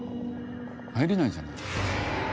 入れないじゃない。